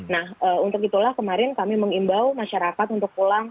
nah untuk itulah kemarin kami mengimbau masyarakat untuk pulang